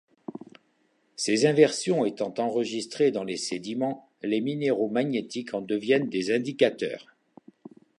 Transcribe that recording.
Ces inversions étant enregistrées dans les sédiments, les minéraux magnétiques en deviennent des indicateurs.